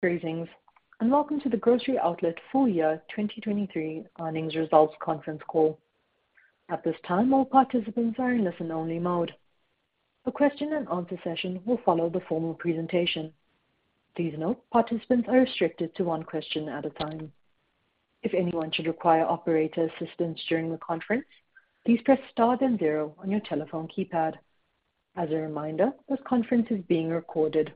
Greetings, and welcome to the Grocery Outlet Full Year 2023 Earnings Results Conference Call. At this time, all participants are in listen-only mode. A question-and-answer session will follow the formal presentation. Please note, participants are restricted to one question at a time. If anyone should require operator assistance during the conference, please press star then zero on your telephone keypad. As a reminder, this conference is being recorded.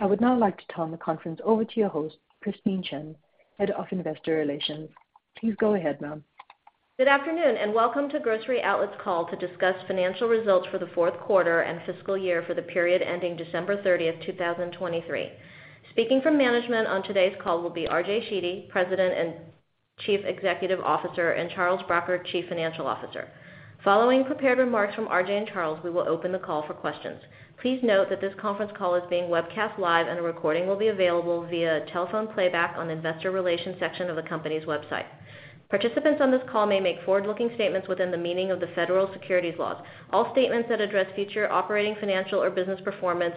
I would now like to turn the conference over to your host, Christine Chen, Head of Investor Relations. Please go ahead, ma'am. Good afternoon, and welcome to Grocery Outlet's call to discuss financial results for the fourth quarter and fiscal year for the period ending December 30th, 2023. Speaking from management on today's call will be RJ Sheedy, President and Chief Executive Officer, and Charles Bracher, Chief Financial Officer. Following prepared remarks from RJ and Charles, we will open the call for questions. Please note that this conference call is being webcast live, and a recording will be available via telephone playback on the Investor Relations section of the company's website. Participants on this call may make forward-looking statements within the meaning of the federal securities laws. All statements that address future operating, financial, or business performance,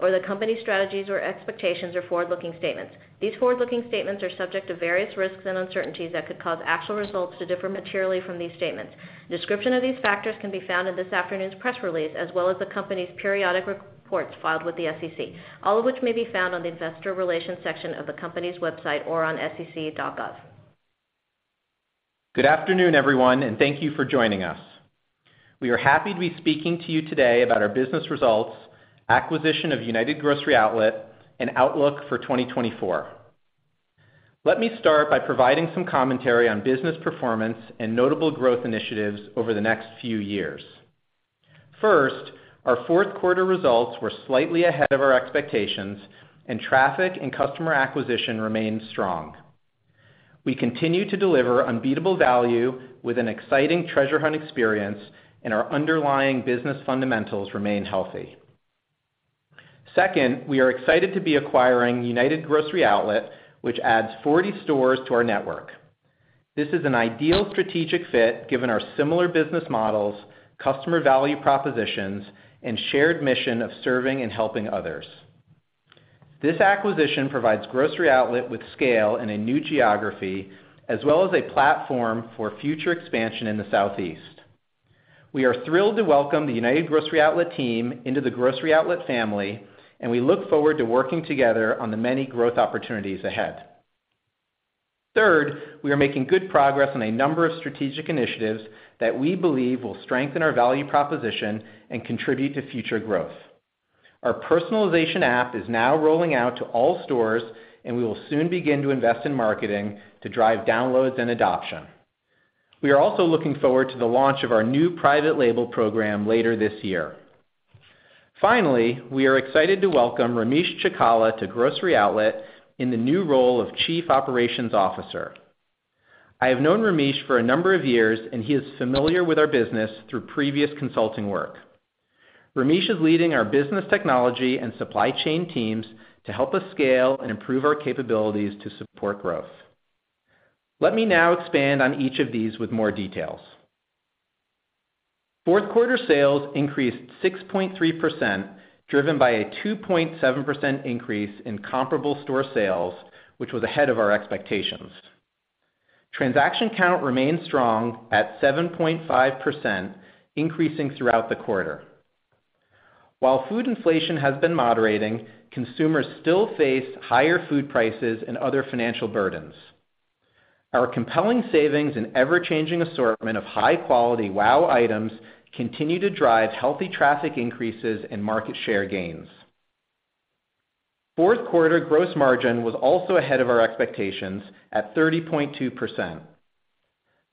or the company's strategies or expectations are forward-looking statements. These forward-looking statements are subject to various risks and uncertainties that could cause actual results to differ materially from these statements. A description of these factors can be found in this afternoon's press release, as well as the company's periodic reports filed with the SEC, all of which may be found on the Investor Relations section of the company's website or on sec.gov. Good afternoon, everyone, and thank you for joining us. We are happy to be speaking to you today about our business results, acquisition of United Grocery Outlet, and outlook for 2024. Let me start by providing some commentary on business performance and notable growth initiatives over the next few years. First, our fourth quarter results were slightly ahead of our expectations, and traffic and customer acquisition remained strong. We continue to deliver unbeatable value with an exciting Treasure Hunt experience, and our underlying business fundamentals remain healthy. Second, we are excited to be acquiring United Grocery Outlet, which adds 40 stores to our network. This is an ideal strategic fit given our similar business models, customer value propositions, and shared mission of serving and helping others. This acquisition provides Grocery Outlet with scale in a new geography, as well as a platform for future expansion in the Southeast. We are thrilled to welcome the United Grocery Outlet team into the Grocery Outlet family, and we look forward to working together on the many growth opportunities ahead. Third, we are making good progress on a number of strategic initiatives that we believe will strengthen our value proposition and contribute to future growth. Our personalization app is now rolling out to all stores, and we will soon begin to invest in marketing to drive downloads and adoption. We are also looking forward to the launch of our new private label program later this year. Finally, we are excited to welcome Ramesh Chikkala to Grocery Outlet in the new role of Chief Operations Officer. I have known Ramesh for a number of years, and he is familiar with our business through previous consulting work. Ramesh is leading our business technology and supply chain teams to help us scale and improve our capabilities to support growth. Let me now expand on each of these with more details. Fourth quarter sales increased 6.3%, driven by a 2.7% increase in comparable store sales, which was ahead of our expectations. Transaction count remained strong at 7.5%, increasing throughout the quarter. While food inflation has been moderating, consumers still face higher food prices and other financial burdens. Our compelling savings and ever-changing assortment of high-quality WOW items continue to drive healthy traffic increases and market share gains. Fourth quarter gross margin was also ahead of our expectations at 30.2%.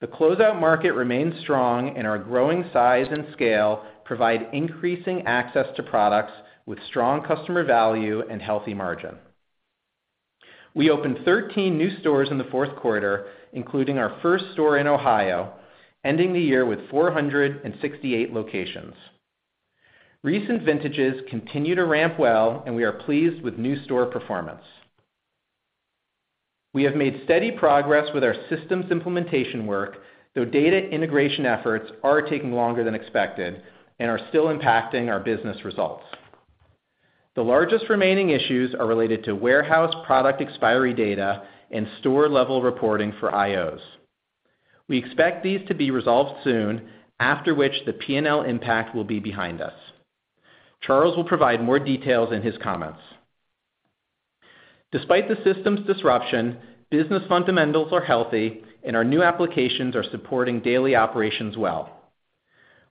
The closeout market remains strong, and our growing size and scale provide increasing access to products with strong customer value and healthy margin. We opened 13 new stores in the fourth quarter, including our first store in Ohio, ending the year with 468 locations. Recent vintages continue to ramp well, and we are pleased with new store performance. We have made steady progress with our systems implementation work, though data integration efforts are taking longer than expected and are still impacting our business results. The largest remaining issues are related to warehouse product expiry data and store-level reporting for IOs. We expect these to be resolved soon, after which the P&L impact will be behind us. Charles will provide more details in his comments. Despite the systems disruption, business fundamentals are healthy, and our new applications are supporting daily operations well.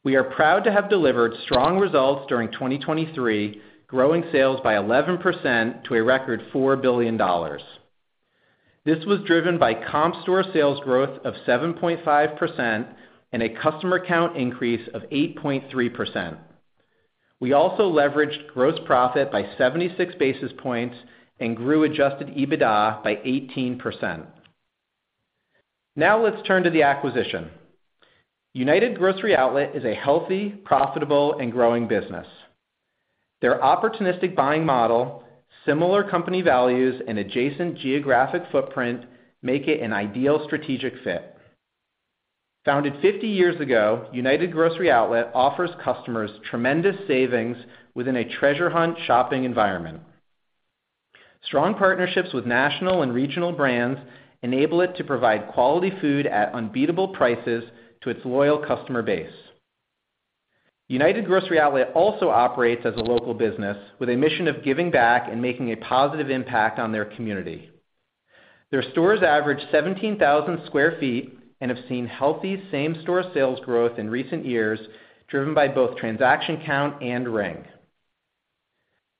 We are proud to have delivered strong results during 2023, growing sales by 11% to a record $4 billion. This was driven by comp store sales growth of 7.5% and a customer count increase of 8.3%. We also leveraged gross profit by 76 basis points and grew Adjusted EBITDA by 18%. Now let's turn to the acquisition. United Grocery Outlet is a healthy, profitable, and growing business. Their opportunistic buying model, similar company values, and adjacent geographic footprint make it an ideal strategic fit. Founded 50 years ago, United Grocery Outlet offers customers tremendous savings within a Treasure Hunt shopping environment. Strong partnerships with national and regional brands enable it to provide quality food at unbeatable prices to its loyal customer base. United Grocery Outlet also operates as a local business with a mission of giving back and making a positive impact on their community. Their stores average 17,000 sq ft and have seen healthy same-store sales growth in recent years, driven by both transaction count and Ring.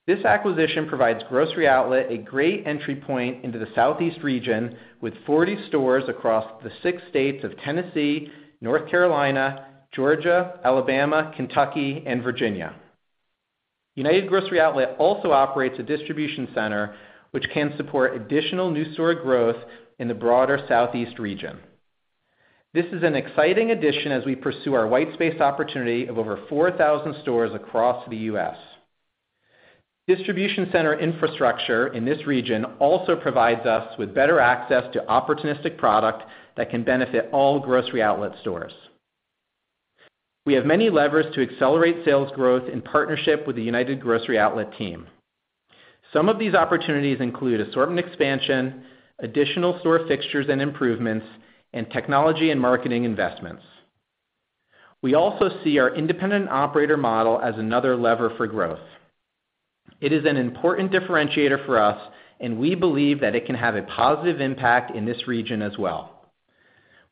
This acquisition provides Grocery Outlet a great entry point into the Southeast region with 40 stores across the six states of Tennessee, North Carolina, Georgia, Alabama, Kentucky, and Virginia. United Grocery Outlet also operates a distribution center, which can support additional new store growth in the broader Southeast region. This is an exciting addition as we pursue our white space opportunity of over 4,000 stores across the U.S. Distribution center infrastructure in this region also provides us with better access to opportunistic product that can benefit all Grocery Outlet stores. We have many levers to accelerate sales growth in partnership with the United Grocery Outlet team. Some of these opportunities include assortment expansion, additional store fixtures and improvements, and technology and marketing investments. We also see our independent operator model as another lever for growth. It is an important differentiator for us, and we believe that it can have a positive impact in this region as well.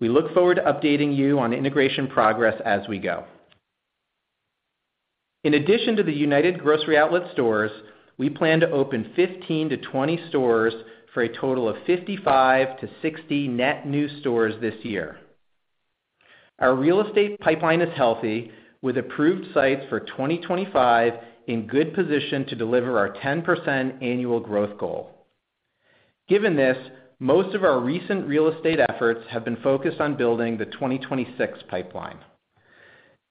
We look forward to updating you on integration progress as we go. In addition to the United Grocery Outlet stores, we plan to open 15-20 stores for a total of 55-60 net new stores this year. Our real estate pipeline is healthy, with approved sites for 2025 in good position to deliver our 10% annual growth goal. Given this, most of our recent real estate efforts have been focused on building the 2026 pipeline.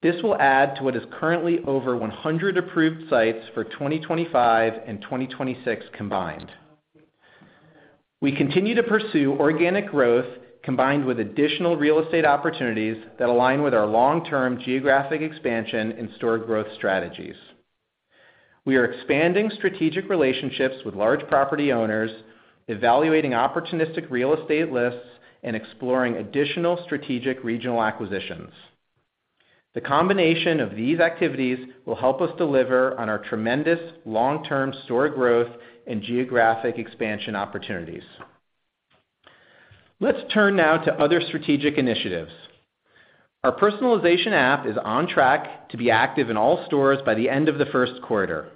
This will add to what is currently over 100 approved sites for 2025 and 2026 combined. We continue to pursue organic growth combined with additional real estate opportunities that align with our long-term geographic expansion and store growth strategies. We are expanding strategic relationships with large property owners, evaluating opportunistic real estate lists, and exploring additional strategic regional acquisitions. The combination of these activities will help us deliver on our tremendous long-term store growth and geographic expansion opportunities. Let's turn now to other strategic initiatives. Our personalization app is on track to be active in all stores by the end of the first quarter.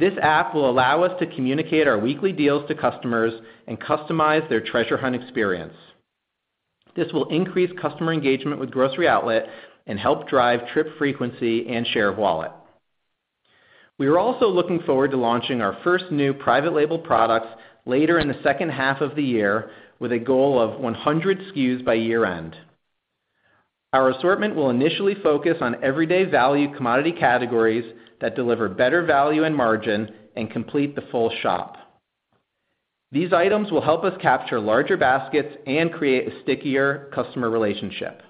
This app will allow us to communicate our weekly deals to customers and customize their Treasure Hunt experience. This will increase customer engagement with Grocery Outlet and help drive trip frequency and share of wallet. We are also looking forward to launching our first new Private Label products later in the second half of the year, with a goal of 100 SKUs by year-end. Our assortment will initially focus on everyday value commodity categories that deliver better value and margin and complete the full shop. These items will help us capture larger baskets and create a stickier customer relationship.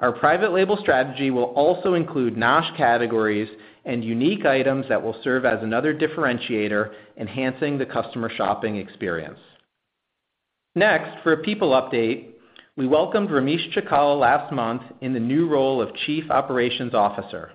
Our private label strategy will also include NOSH categories and unique items that will serve as another differentiator, enhancing the customer shopping experience. Next, for a people update, we welcomed Ramesh Chikkala last month in the new role of Chief Operations Officer.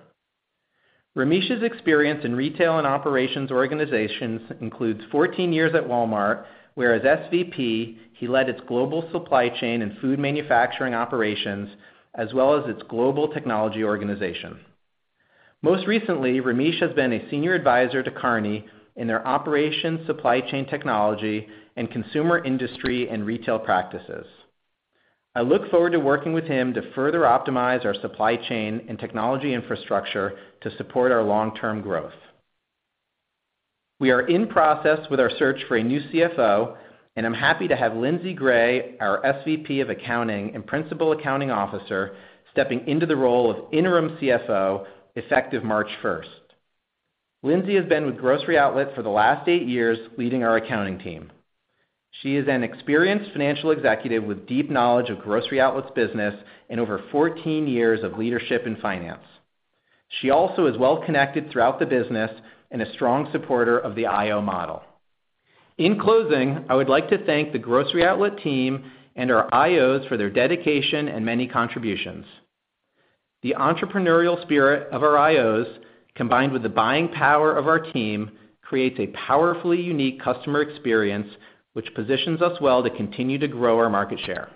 Ramesh's experience in retail and operations organizations includes 14 years at Walmart, where as SVP, he led its global supply chain and food manufacturing operations, as well as its global technology organization. Most recently, Ramesh has been a senior advisor to Kearney in their operations, supply chain technology, and consumer industry and retail practices. I look forward to working with him to further optimize our supply chain and technology infrastructure to support our long-term growth. We are in process with our search for a new CFO, and I'm happy to have Lindsay Gray, our SVP of accounting and principal accounting officer, stepping into the role of interim CFO effective March 1st. Lindsay has been with Grocery Outlet for the last eight years, leading our accounting team. She is an experienced financial executive with deep knowledge of Grocery Outlet's business and over 14 years of leadership in finance. She also is well connected throughout the business and a strong supporter of the IO model. In closing, I would like to thank the Grocery Outlet team and our IOs for their dedication and many contributions. The entrepreneurial spirit of our IOs, combined with the buying power of our team, creates a powerfully unique customer experience, which positions us well to continue to grow our market share.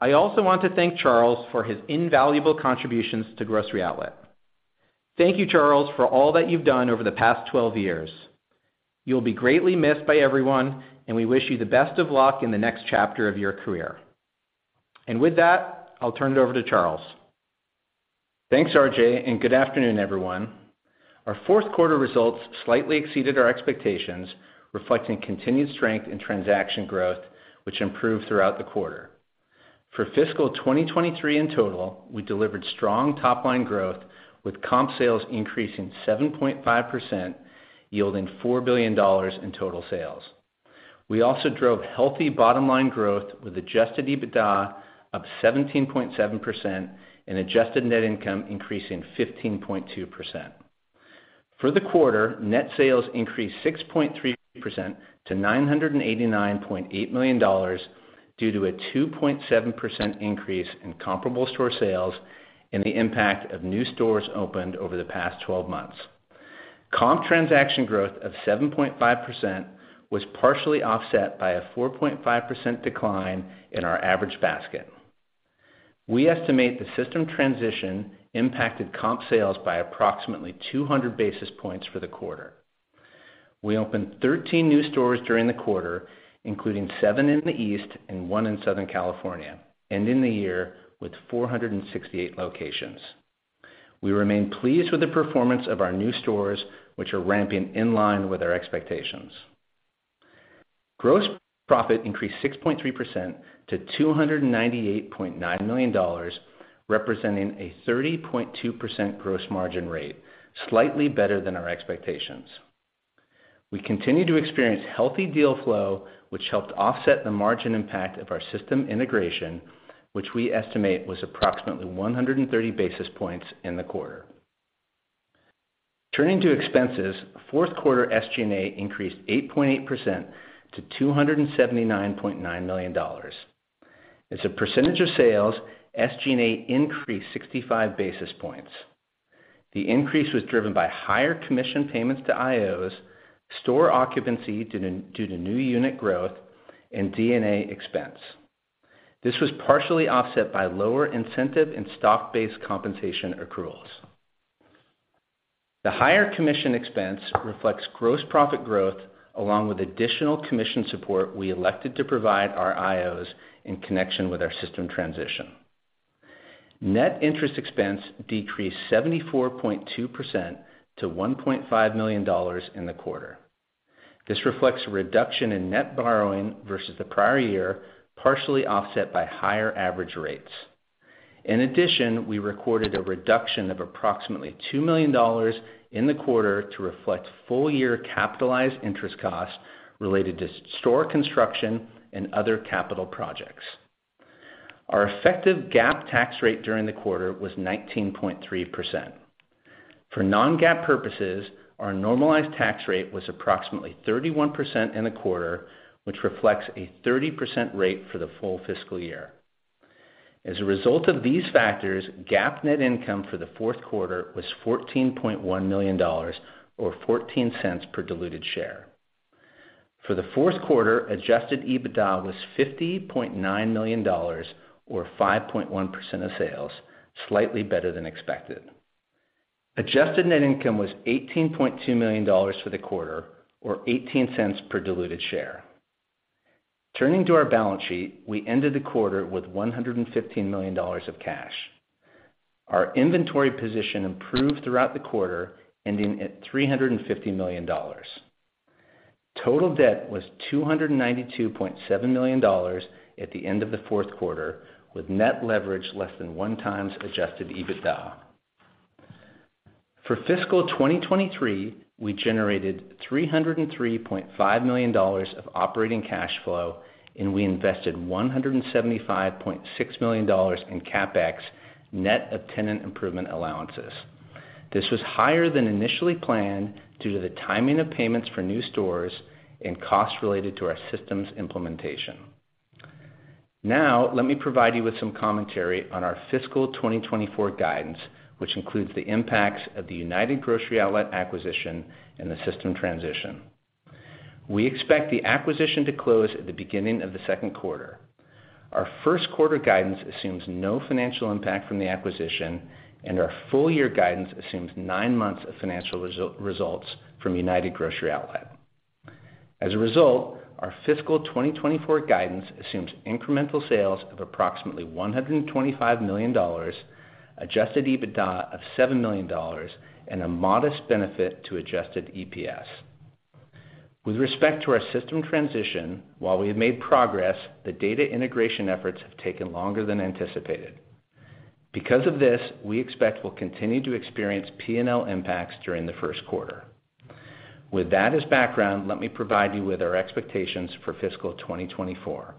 I also want to thank Charles for his invaluable contributions to Grocery Outlet. Thank you, Charles, for all that you've done over the past 12 years. You'll be greatly missed by everyone, and we wish you the best of luck in the next chapter of your career. With that, I'll turn it over to Charles. Thanks, RJ, and good afternoon, everyone. Our fourth quarter results slightly exceeded our expectations, reflecting continued strength in transaction growth, which improved throughout the quarter. For fiscal 2023 in total, we delivered strong top-line growth, with comp sales increasing 7.5%, yielding $4 billion in total sales. We also drove healthy bottom-line growth with Adjusted EBITDA of 17.7% and Adjusted Net Income increasing 15.2%. For the quarter, net sales increased 6.3% to $989.8 million due to a 2.7% increase in comparable store sales and the impact of new stores opened over the past 12 months. Comp transaction growth of 7.5% was partially offset by a 4.5% decline in our average basket. We estimate the system transition impacted comp sales by approximately 200 basis points for the quarter. We opened 13 new stores during the quarter, including seven in the East and one in Southern California, ending the year with 468 locations. We remain pleased with the performance of our new stores, which are ramping in line with our expectations. Gross profit increased 6.3% to $298.9 million, representing a 30.2% gross margin rate, slightly better than our expectations. We continue to experience healthy deal flow, which helped offset the margin impact of our system integration, which we estimate was approximately 130 basis points in the quarter. Turning to expenses, fourth quarter SG&A increased 8.8% to $279.9 million. As a percentage of sales, SG&A increased 65 basis points. The increase was driven by higher commission payments to IOs, store occupancy due to new unit growth, and D&A expense. This was partially offset by lower incentive and stock-based compensation accruals. The higher commission expense reflects gross profit growth along with additional commission support we elected to provide our IOs in connection with our system transition. Net interest expense decreased 74.2% to $1.5 million in the quarter. This reflects a reduction in net borrowing versus the prior year, partially offset by higher average rates. In addition, we recorded a reduction of approximately $2 million in the quarter to reflect full-year capitalized interest costs related to store construction and other capital projects. Our effective GAAP tax rate during the quarter was 19.3%. For non-GAAP purposes, our normalized tax rate was approximately 31% in the quarter, which reflects a 30% rate for the full fiscal year. As a result of these factors, GAAP net income for the fourth quarter was $14.1 million or $0.14 per diluted share. For the fourth quarter, Adjusted EBITDA was $50.9 million or 5.1% of sales, slightly better than expected. Adjusted net income was $18.2 million for the quarter or $0.18 per diluted share. Turning to our balance sheet, we ended the quarter with $115 million of cash. Our inventory position improved throughout the quarter, ending at $350 million. Total debt was $292.7 million at the end of the fourth quarter, with net leverage less than 1x adjusted EBITDA. For fiscal 2023, we generated $303.5 million of operating cash flow, and we invested $175.6 million in CapEx, net of tenant improvement allowances. This was higher than initially planned due to the timing of payments for new stores and costs related to our system's implementation. Now, let me provide you with some commentary on our fiscal 2024 guidance, which includes the impacts of the United Grocery Outlet acquisition and the system transition. We expect the acquisition to close at the beginning of the second quarter. Our first quarter guidance assumes no financial impact from the acquisition, and our full-year guidance assumes nine months of financial results from United Grocery Outlet. As a result, our fiscal 2024 guidance assumes incremental sales of approximately $125 million, Adjusted EBITDA of $7 million, and a modest benefit to Adjusted EPS. With respect to our system transition, while we have made progress, the data integration efforts have taken longer than anticipated. Because of this, we expect we'll continue to experience P&L impacts during the first quarter. With that as background, let me provide you with our expectations for fiscal 2024.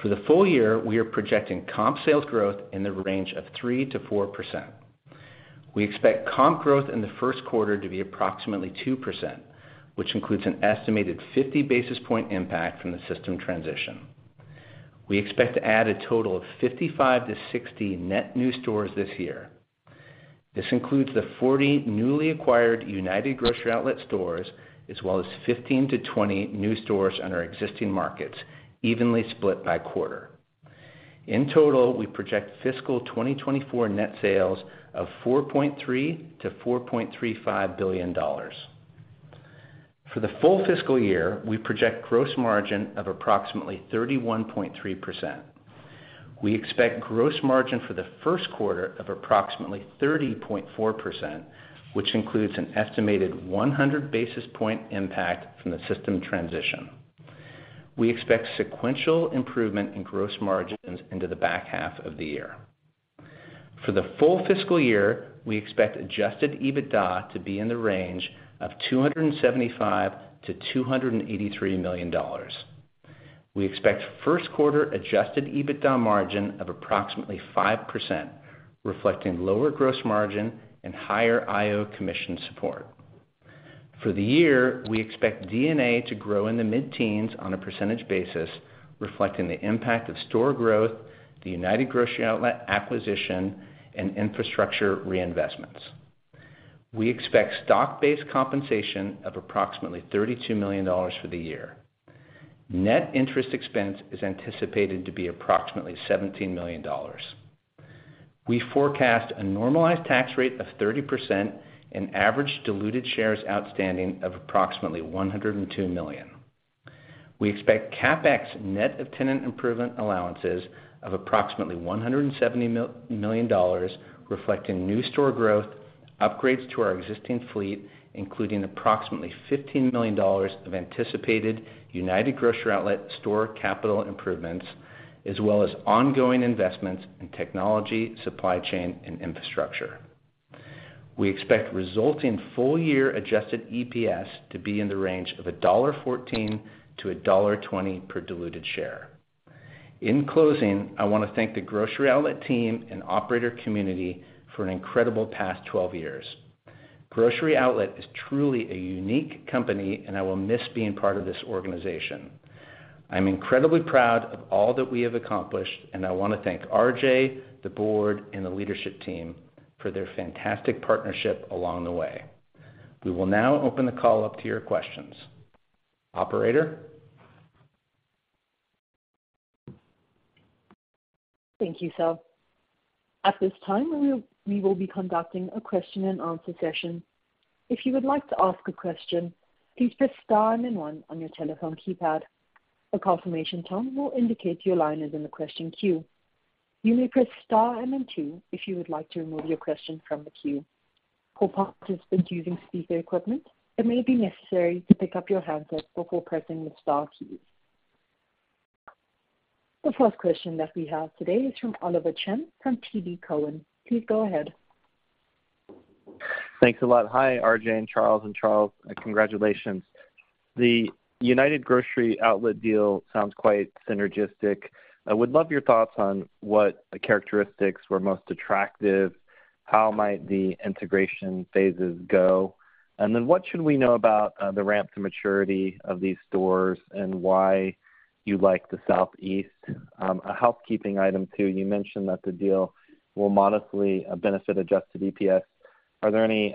For the full year, we are projecting comp sales growth in the range of 3%-4%. We expect comp growth in the first quarter to be approximately 2%, which includes an estimated 50 basis point impact from the system transition. We expect to add a total of 55-60 net new stores this year. This includes the 40 newly acquired United Grocery Outlet stores, as well as 15-20 new stores under existing markets, evenly split by quarter. In total, we project fiscal 2024 net sales of $4.3-$4.35 billion. For the full fiscal year, we project gross margin of approximately 31.3%. We expect gross margin for the first quarter of approximately 30.4%, which includes an estimated 100 basis point impact from the system transition. We expect sequential improvement in gross margins into the back half of the year. For the full fiscal year, we expect adjusted EBITDA to be in the range of $275-$283 million. We expect first quarter adjusted EBITDA margin of approximately 5%, reflecting lower gross margin and higher IO commission support. For the year, we expect D&A to grow in the mid-teens on a percentage basis, reflecting the impact of store growth, the United Grocery Outlet acquisition, and infrastructure reinvestments. We expect stock-based compensation of approximately $32 million for the year. Net interest expense is anticipated to be approximately $17 million. We forecast a normalized tax rate of 30% and average diluted shares outstanding of approximately 102 million. We expect CapEx net of tenant improvement allowances of approximately $170 million, reflecting new store growth, upgrades to our existing fleet, including approximately $15 million of anticipated United Grocery Outlet store capital improvements, as well as ongoing investments in technology, supply chain, and infrastructure. We expect resulting full-year adjusted EPS to be in the range of $1.14-$1.20 per diluted share. In closing, I want to thank the Grocery Outlet team and operator community for an incredible past 12 years. Grocery Outlet is truly a unique company, and I will miss being part of this organization. I'm incredibly proud of all that we have accomplished, and I want to thank RJ, the board, and the leadership team for their fantastic partnership along the way. We will now open the call up to your questions. Operator? Thank you, Sal. At this time, we will be conducting a question-and-answer session. If you would like to ask a question, please press star and then one on your telephone keypad. A confirmation tone will indicate your line is in the question queue. You may press star and then two if you would like to remove your question from the queue. For participants using speaker equipment, it may be necessary to pick up your handset before pressing the star keys. The first question that we have today is from Oliver Chen from TD Cowen. Please go ahead. Thanks a lot. Hi, RJ and Charles, and Charles, congratulations. The United Grocery Outlet deal sounds quite synergistic. I would love your thoughts on what characteristics were most attractive, how might the integration phases go, and then what should we know about the ramp to maturity of these stores and why you like the Southeast. A housekeeping item too, you mentioned that the deal will modestly benefit Adjusted EPS. Are there any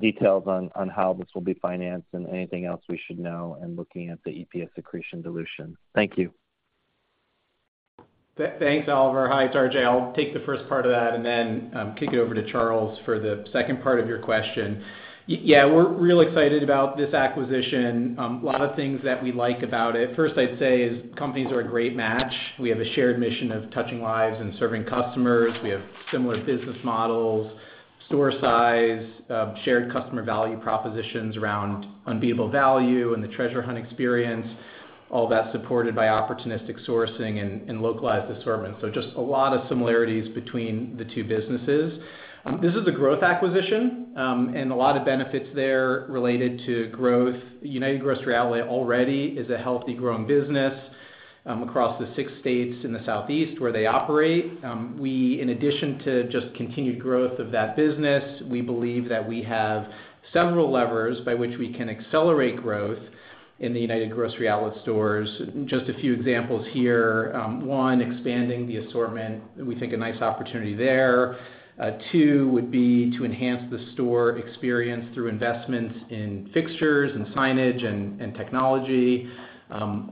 details on how this will be financed and anything else we should know in looking at the EPS accretion dilution? Thank you. Thanks, Oliver. Hi, it's RJ. I'll take the first part of that and then kick it over to Charles for the second part of your question. Yeah, we're real excited about this acquisition. A lot of things that we like about it, first I'd say, is companies are a great match. We have a shared mission of touching lives and serving customers. We have similar business models, store size, shared customer value propositions around unbeatable value and the Treasure Hunt experience, all that supported by opportunistic sourcing and localized assortment. So just a lot of similarities between the two businesses. This is a growth acquisition and a lot of benefits there related to growth. United Grocery Outlet already is a healthy growing business across the six states in the Southeast where they operate. In addition to just continued growth of that business, we believe that we have several levers by which we can accelerate growth in the United Grocery Outlet stores. Just a few examples here. One, expanding the assortment, we think a nice opportunity there. Two would be to enhance the store experience through investments in fixtures and signage and technology.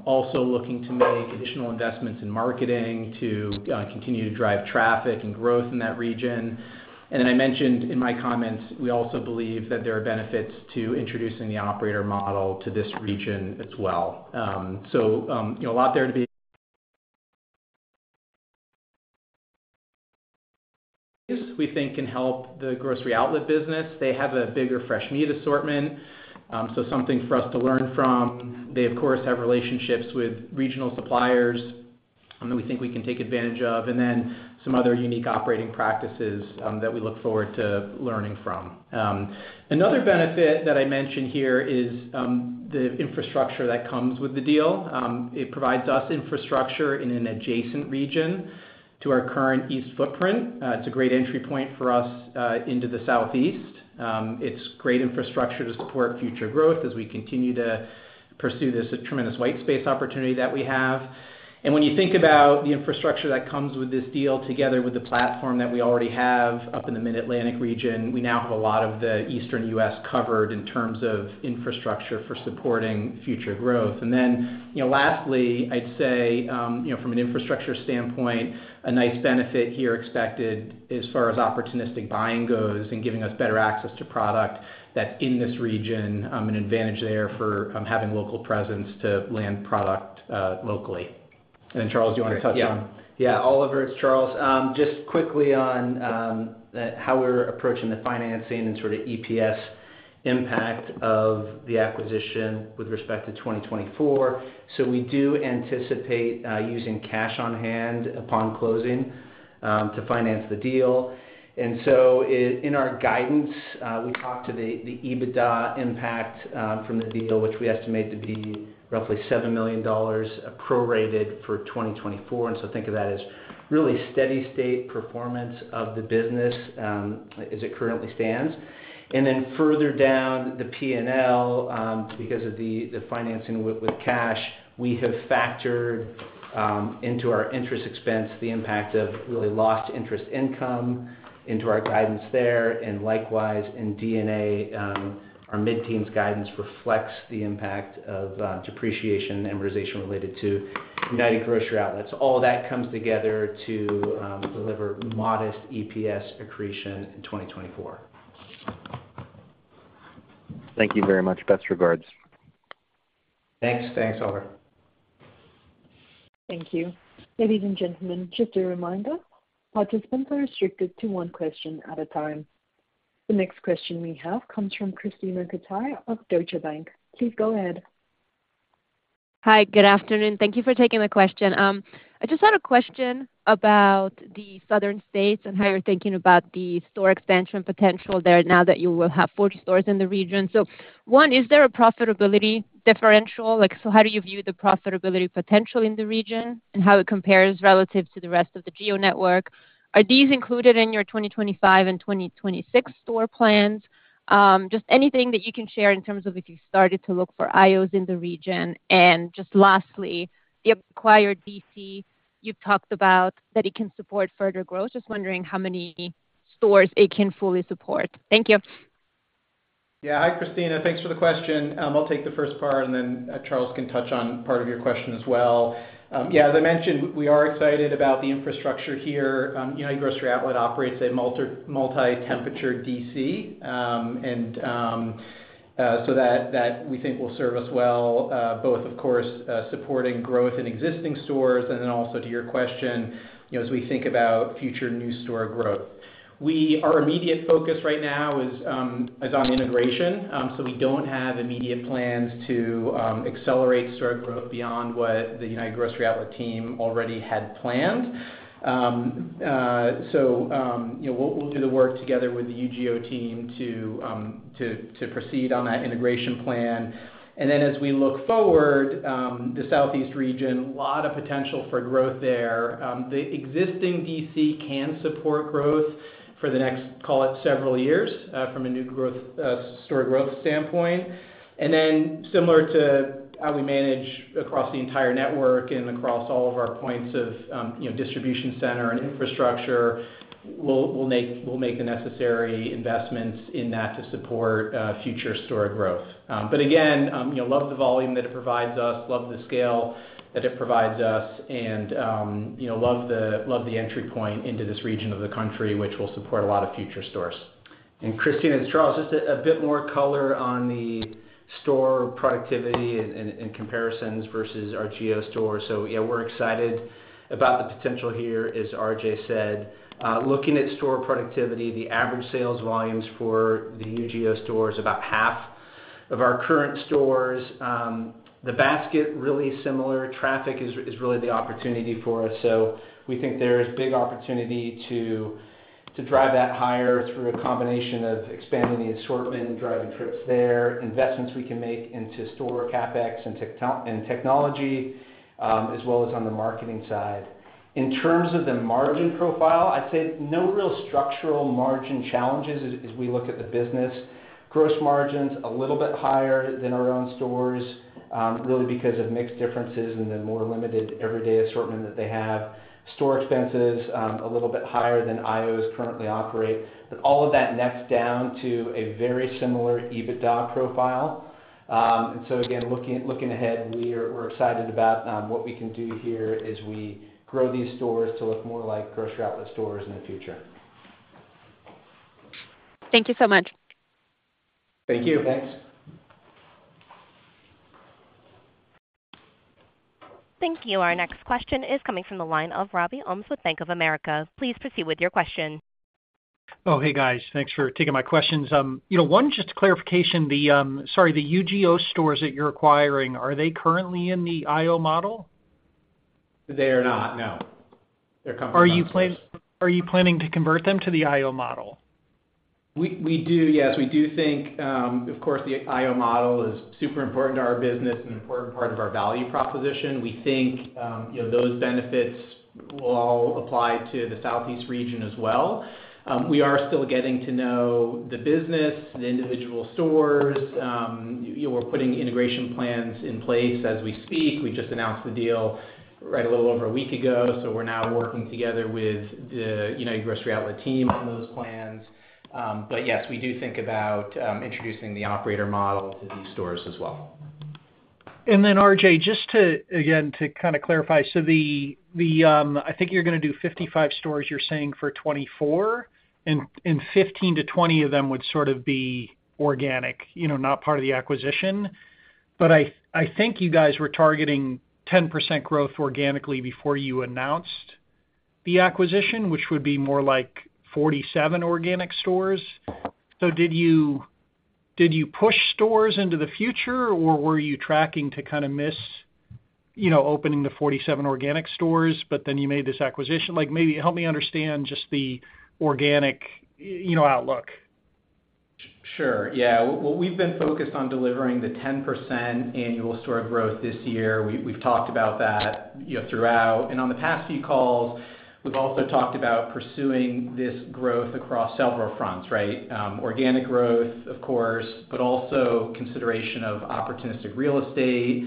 Also looking to make additional investments in marketing to continue to drive traffic and growth in that region. And then I mentioned in my comments, we also believe that there are benefits to introducing the operator model to this region as well. So a lot there to be we think can help the Grocery Outlet business. They have a bigger fresh meat assortment, so something for us to learn from. They, of course, have relationships with regional suppliers that we think we can take advantage of, and then some other unique operating practices that we look forward to learning from. Another benefit that I mentioned here is the infrastructure that comes with the deal. It provides us infrastructure in an adjacent region to our current East footprint. It's a great entry point for us into the Southeast. It's great infrastructure to support future growth as we continue to pursue this tremendous white space opportunity that we have. When you think about the infrastructure that comes with this deal, together with the platform that we already have up in the Mid-Atlantic region, we now have a lot of the Eastern U.S. covered in terms of infrastructure for supporting future growth. And then lastly, I'd say, from an infrastructure standpoint, a nice benefit here expected as far as opportunistic buying goes and giving us better access to product that's in this region, an advantage there for having local presence to land product locally. And then, Charles, do you want to touch on? Yeah. Yeah, Oliver, it's Charles. Just quickly on how we're approaching the financing and sort of EPS impact of the acquisition with respect to 2024. So we do anticipate using cash on hand upon closing to finance the deal. And so in our guidance, we talked to the EBITDA impact from the deal, which we estimate to be roughly $7 million prorated for 2024. And so think of that as really steady-state performance of the business as it currently stands. Then further down the P&L, because of the financing with cash, we have factored into our interest expense the impact of really lost interest income into our guidance there. Likewise, in D&A, our mid-teens guidance reflects the impact of depreciation and amortization related to United Grocery Outlet. All that comes together to deliver modest EPS accretion in 2024. Thank you very much. Best regards. Thanks. Thanks, Oliver. Thank you. Ladies and gentlemen, just a reminder, participants are restricted to one question at a time. The next question we have comes from Christine Chen of Deutsche Bank. Please go ahead. Hi, good afternoon. Thank you for taking the question. I just had a question about the Southern states and how you're thinking about the store expansion potential there now that you will have 40 stores in the region. So one, is there a profitability differential? So how do you view the profitability potential in the region and how it compares relative to the rest of the GO network? Are these included in your 2025 and 2026 store plans? Just anything that you can share in terms of if you started to look for IOs in the region. And just lastly, the acquired DC, you've talked about that it can support further growth. Just wondering how many stores it can fully support. Thank you. Yeah, hi, Christine. Thanks for the question. I'll take the first part, and then Charles can touch on part of your question as well. Yeah, as I mentioned, we are excited about the infrastructure here. United Grocery Outlet operates a multi-temperature DC, and so that we think will serve us well, both, of course, supporting growth in existing stores and then also to your question, as we think about future new store growth. Our immediate focus right now is on integration, so we don't have immediate plans to accelerate store growth beyond what the United Grocery Outlet team already had planned. So we'll do the work together with the UGO team to proceed on that integration plan. And then as we look forward, the Southeast region, a lot of potential for growth there. The existing DC can support growth for the next, call it, several years from a new store growth standpoint. And then similar to how we manage across the entire network and across all of our points of distribution center and infrastructure, we'll make the necessary investments in that to support future store growth. But again, love the volume that it provides us, love the scale that it provides us, and love the entry point into this region of the country, which will support a lot of future stores. And Christine, it's Charles, just a bit more color on the store productivity and comparisons versus our GO stores. So yeah, we're excited about the potential here, as RJ said. Looking at store productivity, the average sales volumes for the UGO store is about half of our current stores. The basket, really similar. Traffic is really the opportunity for us. So we think there is big opportunity to drive that higher through a combination of expanding the assortment and driving trips there, investments we can make into store CapEx and technology, as well as on the marketing side. In terms of the margin profile, I'd say no real structural margin challenges as we look at the business. Gross margins a little bit higher than our own stores, really because of mixed differences and the more limited everyday assortment that they have. Store expenses a little bit higher than IOs currently operate. But all of that nets down to a very similar EBITDA profile. And so again, looking ahead, we're excited about what we can do here as we grow these stores to look more like Grocery Outlet stores in the future. Thank you so much. Thank you. Thanks. Thank you. Our next question is coming from the line of Robbie Ohmes with Bank of America. Please proceed with your question. Oh, hey, guys. Thanks for taking my questions. One, just a clarification. Sorry, the UGO stores that you're acquiring, are they currently in the IO model? They are not, no. They're coming from. Are you planning to convert them to the IO model? We do, yes. We do think, of course, the IO model is super important to our business, an important part of our value proposition. We think those benefits will all apply to the Southeast region as well. We are still getting to know the business, the individual stores. We're putting integration plans in place as we speak. We just announced the deal right a little over a week ago, so we're now working together with the United Grocery Outlet team on those plans. But yes, we do think about introducing the operator model to these stores as well. And then RJ, just again, to kind of clarify, so I think you're going to do 55 stores, you're saying, for 2024, and 15-20 of them would sort of be organic, not part of the acquisition. But I think you guys were targeting 10% growth organically before you announced the acquisition, which would be more like 47 organic stores. So did you push stores into the future, or were you tracking to kind of miss opening the 47 organic stores, but then you made this acquisition? Maybe help me understand just the organic outlook. Sure. Yeah. Well, we've been focused on delivering the 10% annual store growth this year. We've talked about that throughout. On the past few calls, we've also talked about pursuing this growth across several fronts, right? Organic growth, of course, but also consideration of opportunistic real estate.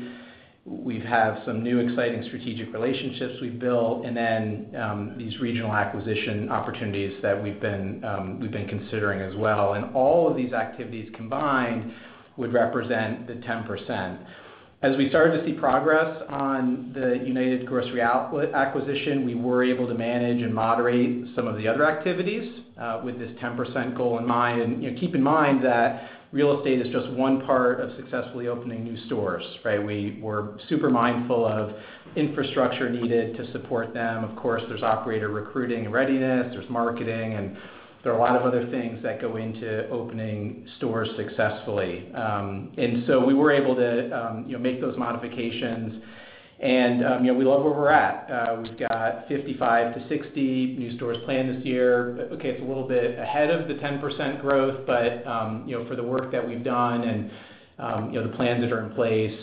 We have some new exciting strategic relationships we've built, and then these regional acquisition opportunities that we've been considering as well. All of these activities combined would represent the 10%. As we started to see progress on the United Grocery Outlet acquisition, we were able to manage and moderate some of the other activities with this 10% goal in mind. Keep in mind that real estate is just one part of successfully opening new stores, right? We're super mindful of infrastructure needed to support them. Of course, there's operator recruiting and readiness. There's marketing, and there are a lot of other things that go into opening stores successfully. And so we were able to make those modifications. And we love where we're at. We've got 55-60 new stores planned this year. Okay, it's a little bit ahead of the 10% growth, but for the work that we've done and the plans that are in place,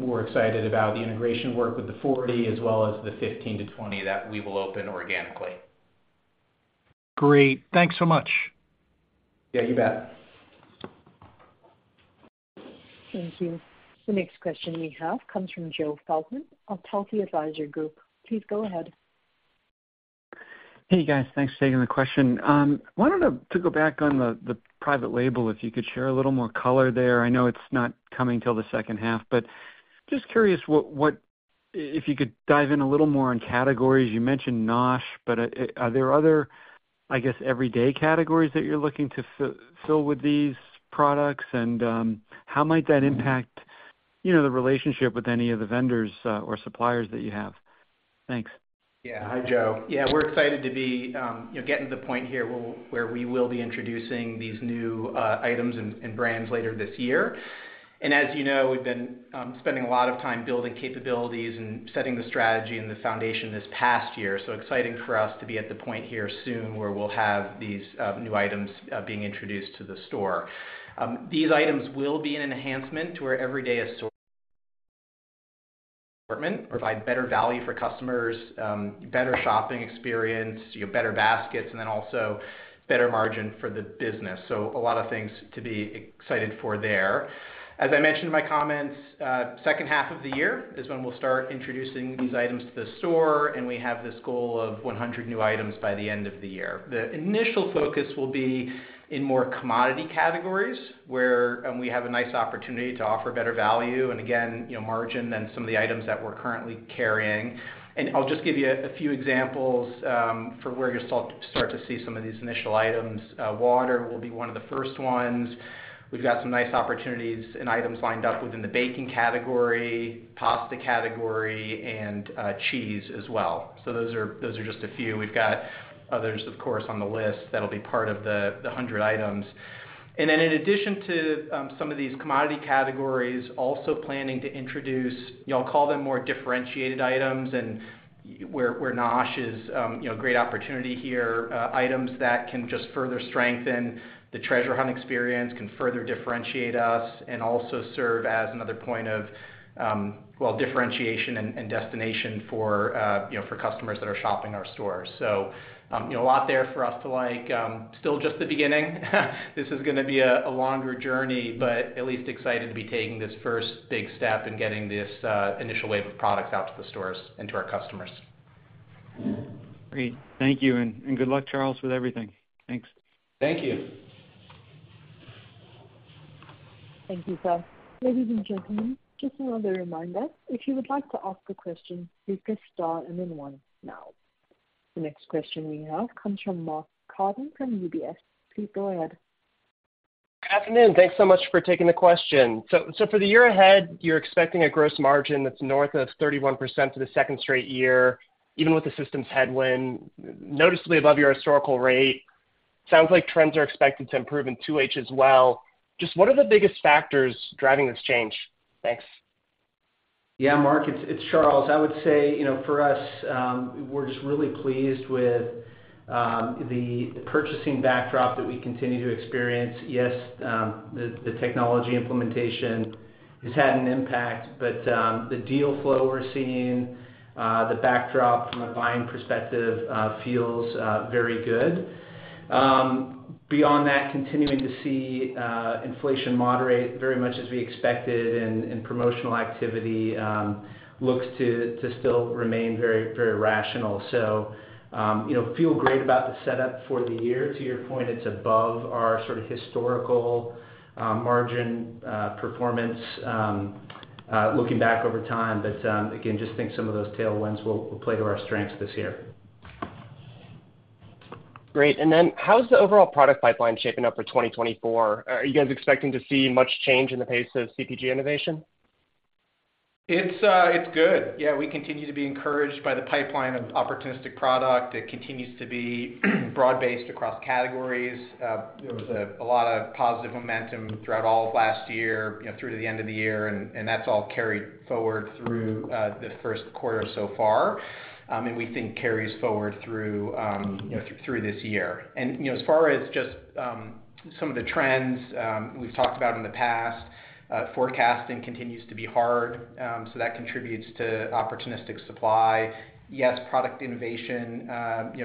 we're excited about the integration work with the 40 as well as the 15-20 that we will open organically. Great. Thanks so much. Yeah, you bet. Thank you. The next question we have comes from Joe Feldman of Telsey Advisory Group. Please go ahead. Hey, guys. Thanks for taking the question. I wanted to go back on the private label if you could share a little more color there. I know it's not coming till the second half, but just curious if you could dive in a little more on categories. You mentioned NOSH, but are there other, I guess, everyday categories that you're looking to fill with these products, and how might that impact the relationship with any of the vendors or suppliers that you have? Thanks. Yeah. Hi, Joe. Yeah, we're excited to be getting to the point here where we will be introducing these new items and brands later this year. And as you know, we've been spending a lot of time building capabilities and setting the strategy and the foundation this past year. So exciting for us to be at the point here soon where we'll have these new items being introduced to the store. These items will be an enhancement to our everyday assortment, provide better value for customers, better shopping experience, better baskets, and then also better margin for the business. So a lot of things to be excited for there. As I mentioned in my comments, second half of the year is when we'll start introducing these items to the store, and we have this goal of 100 new items by the end of the year. The initial focus will be in more commodity categories where we have a nice opportunity to offer better value and, again, margin than some of the items that we're currently carrying. I'll just give you a few examples for where you'll start to see some of these initial items. Water will be one of the first ones. We've got some nice opportunities and items lined up within the baking category, pasta category, and cheese as well. Those are just a few. We've got others, of course, on the list that'll be part of the 100 items. And then, in addition to some of these commodity categories, also planning to introduce y'all call them more differentiated items, and where NOSH is a great opportunity here, items that can just further strengthen the Treasure Hunt experience, can further differentiate us, and also serve as another point of, well, differentiation and destination for customers that are shopping our stores. So a lot there for us to like. Still just the beginning. This is going to be a longer journey, but at least excited to be taking this first big step and getting this initial wave of products out to the stores and to our customers. Great. Thank you. Good luck, Charles, with everything. Thanks. Thank you. Thank you, sir. Ladies and gentlemen, just another reminder. If you would like to ask a question, please press star and then one now. The next question we have comes from Mark Carden from UBS. Please go ahead. Good afternoon. Thanks so much for taking the question. So for the year ahead, you're expecting a Gross Margin that's north of 31% for the second straight year, even with the system's headwind, noticeably above your historical rate. Sounds like trends are expected to improve in 2H as well. Just what are the biggest factors driving this change? Thanks. Yeah, Mark, it's Charles. I would say for us, we're just really pleased with the purchasing backdrop that we continue to experience. Yes, the technology implementation has had an impact, but the deal flow we're seeing, the backdrop from a buying perspective, feels very good. Beyond that, continuing to see inflation moderate very much as we expected and promotional activity looks to still remain very, very rational. So feel great about the setup for the year. To your point, it's above our sort of historical margin performance looking back over time. But again, just think some of those tailwinds will play to our strengths this year. Great. And then how is the overall product pipeline shaping up for 2024? Are you guys expecting to see much change in the pace of CPG innovation? It's good. Yeah, we continue to be encouraged by the pipeline of opportunistic product. It continues to be broad-based across categories. There was a lot of positive momentum throughout all of last year through to the end of the year, and that's all carried forward through the first quarter so far. And we think carries forward through this year. And as far as just some of the trends we've talked about in the past, forecasting continues to be hard, so that contributes to opportunistic supply. Yes, product innovation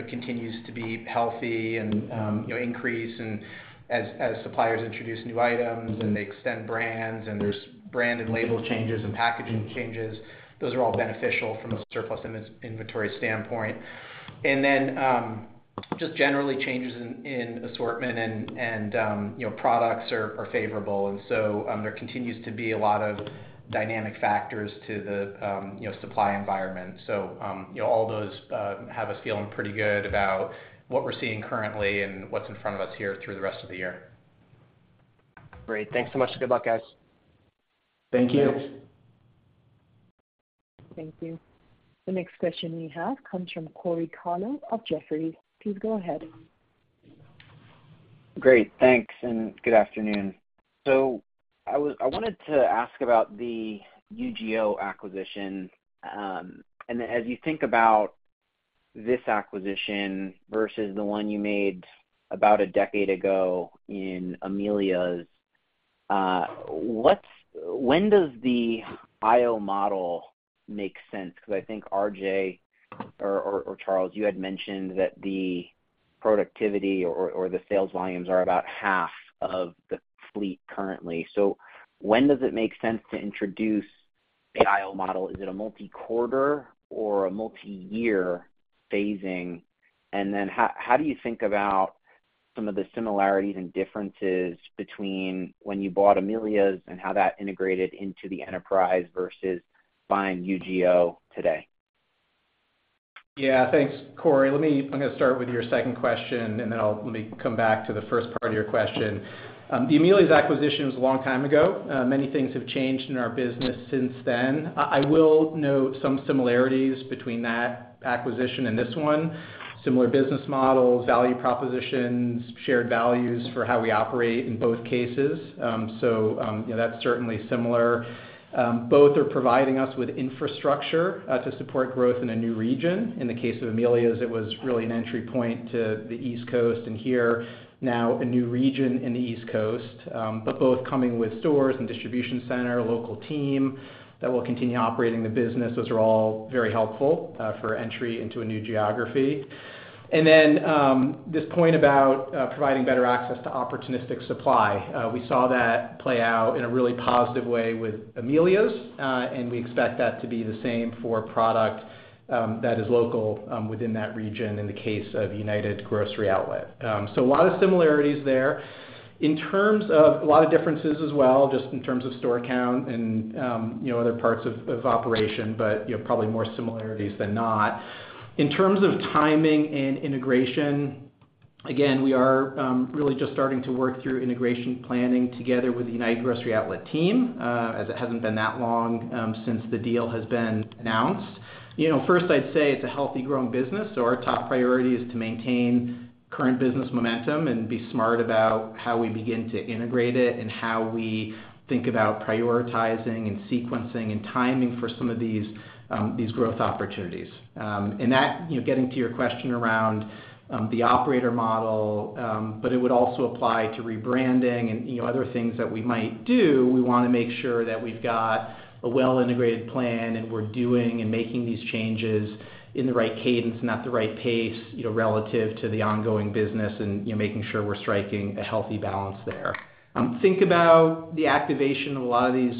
continues to be healthy and increase. And as suppliers introduce new items and they extend brands, and there's brand and label changes and packaging changes, those are all beneficial from a surplus inventory standpoint. And then just generally, changes in assortment and products are favorable. And so there continues to be a lot of dynamic factors to the supply environment. All those have us feeling pretty good about what we're seeing currently and what's in front of us here through the rest of the year. Great. Thanks so much. Good luck, guys. Thank you. Thank you. The next question we have comes from Corey Tarlowe of Jefferies. Please go ahead. Great. Thanks and good afternoon. So I wanted to ask about the UGO acquisition. And then as you think about this acquisition versus the one you made about a decade ago in Amelia's, when does the IO model make sense? Because I think RJ or Charles, you had mentioned that the productivity or the sales volumes are about half of the fleet currently. So when does it make sense to introduce an IO model? Is it a multi-quarter or a multi-year phasing? And then how do you think about some of the similarities and differences between when you bought Amelia's and how that integrated into the enterprise versus buying UGO today? Yeah, thanks, Corey. I'm going to start with your second question, and then let me come back to the first part of your question. The Amelia's acquisition was a long time ago. Many things have changed in our business since then. I will note some similarities between that acquisition and this one. Similar business models, value propositions, shared values for how we operate in both cases. So that's certainly similar. Both are providing us with infrastructure to support growth in a new region. In the case of Amelia's, it was really an entry point to the East Coast. And here, now a new region in the East Coast. But both coming with stores and distribution center, local team that will continue operating the business, those are all very helpful for entry into a new geography. And then this point about providing better access to opportunistic supply. We saw that play out in a really positive way with Amelia's, and we expect that to be the same for product that is local within that region in the case of United Grocery Outlet. A lot of similarities there. In terms of a lot of differences as well, just in terms of store count and other parts of operation, but probably more similarities than not. In terms of timing and integration, again, we are really just starting to work through integration planning together with the United Grocery Outlet team as it hasn't been that long since the deal has been announced. First, I'd say it's a healthy growing business, so our top priority is to maintain current business momentum and be smart about how we begin to integrate it and how we think about prioritizing and sequencing and timing for some of these growth opportunities. And that getting to your question around the operator model, but it would also apply to rebranding and other things that we might do. We want to make sure that we've got a well-integrated plan and we're doing and making these changes in the right cadence and at the right pace relative to the ongoing business and making sure we're striking a healthy balance there. Think about the activation of a lot of these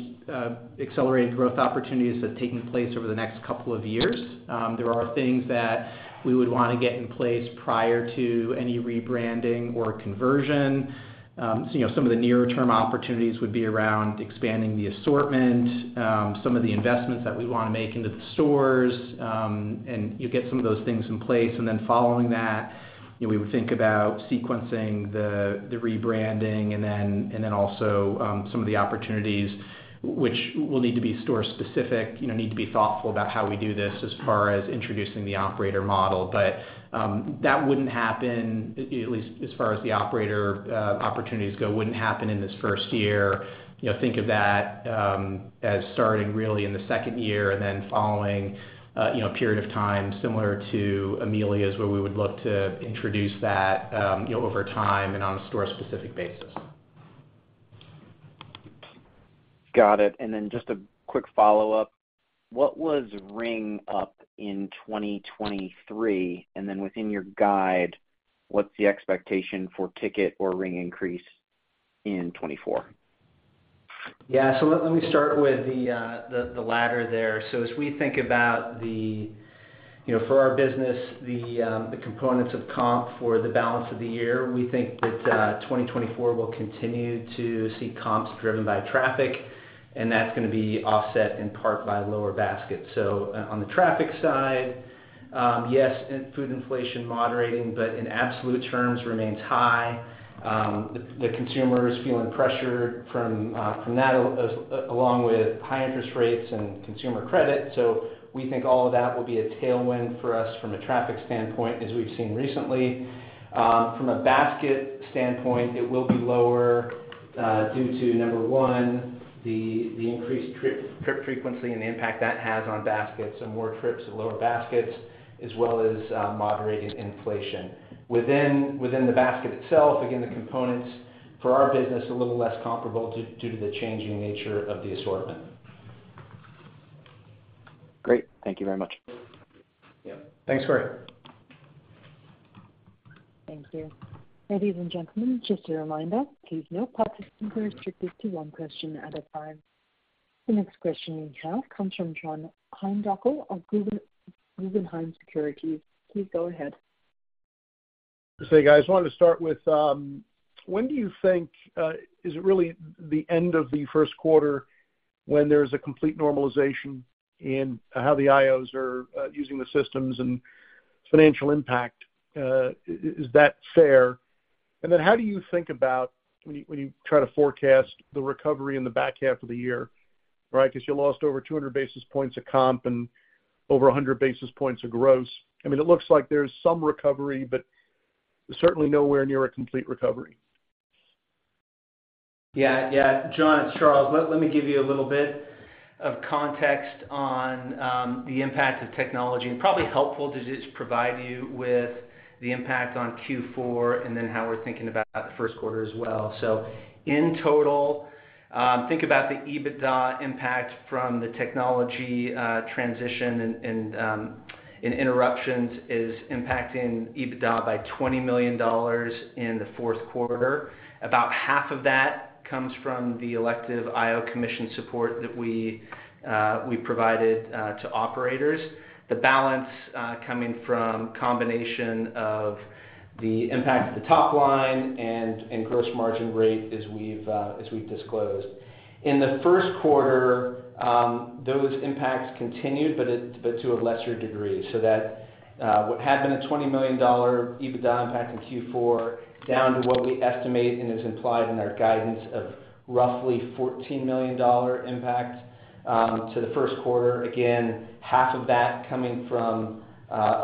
accelerated growth opportunities that's taking place over the next couple of years. There are things that we would want to get in place prior to any rebranding or conversion. So some of the near-term opportunities would be around expanding the assortment, some of the investments that we'd want to make into the stores, and get some of those things in place. Then following that, we would think about sequencing the rebranding and then also some of the opportunities, which will need to be store-specific, need to be thoughtful about how we do this as far as introducing the operator model. But that wouldn't happen, at least as far as the operator opportunities go, wouldn't happen in this first year. Think of that as starting really in the second year and then following a period of time similar to Amelia's where we would look to introduce that over time and on a store-specific basis. Got it. And then just a quick follow-up. What was ring up in 2023? And then within your guide, what's the expectation for ticket or ring increase in 2024? Yeah. So let me start with the latter there. So as we think about the future for our business, the components of comp for the balance of the year, we think that 2024 will continue to see comps driven by traffic, and that's going to be offset in part by lower baskets. So on the traffic side, yes, food inflation moderating, but in absolute terms, remains high. The consumer is feeling pressured from that along with high interest rates and consumer credit. So we think all of that will be a tailwind for us from a traffic standpoint as we've seen recently. From a basket standpoint, it will be lower due to, number one, the increased trip frequency and the impact that has on baskets, so more trips at lower baskets, as well as moderating inflation. Within the basket itself, again, the components for our business, a little less comparable due to the changing nature of the assortment. Great. Thank you very much. Yep. Thanks, Corey. Thank you. Ladies and gentlemen, just a reminder, please note participants are restricted to one question at a time. The next question we have comes from John Heinbockel of Guggenheim Securities. Please go ahead. Hey, guys. I wanted to start with when do you think is it really the end of the first quarter when there's a complete normalization in how the IOs are using the systems and financial impact? Is that fair? And then how do you think about when you try to forecast the recovery in the back half of the year, right? Because you lost over 200 basis points of comp and over 100 basis points of gross. I mean, it looks like there's some recovery, but certainly nowhere near a complete recovery. Yeah. Yeah. John, it's Charles. Let me give you a little bit of context on the impact of technology. Probably helpful to just provide you with the impact on Q4 and then how we're thinking about the first quarter as well. So in total, think about the EBITDA impact from the technology transition and interruptions is impacting EBITDA by $20 million in the fourth quarter. About half of that comes from the elective IO commission support that we provided to operators. The balance coming from combination of the impact of the top line and gross margin rate as we've disclosed. In the first quarter, those impacts continued, but to a lesser degree. So that what had been a $20 million EBITDA impact in Q4 down to what we estimate and is implied in our guidance of roughly $14 million impact to the first quarter. Again, half of that coming from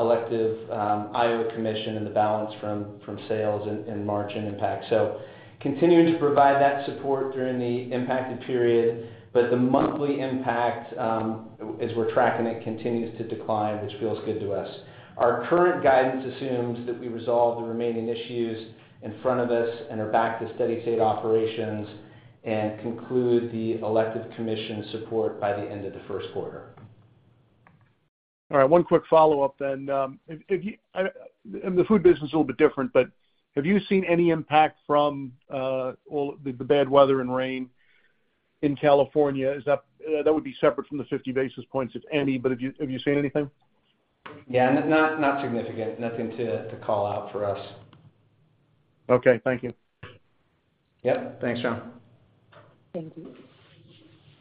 elective IO commission and the balance from sales and margin impact. So continuing to provide that support during the impacted period, but the monthly impact, as we're tracking it, continues to decline, which feels good to us. Our current guidance assumes that we resolve the remaining issues in front of us and are back to steady-state operations and conclude the elective commission support by the end of the first quarter. All right. One quick follow-up then. And the food business is a little bit different, but have you seen any impact from all the bad weather and rain in California? That would be separate from the 50 basis points, if any, but have you seen anything? Yeah. Not significant. Nothing to call out for us. Okay. Thank you. Yep. Thanks, John. Thank you.